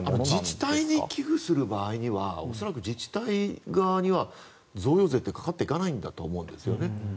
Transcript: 自治体に寄付する場合には恐らく自治体側には贈与税ってかかっていかないんだと思うんですよね。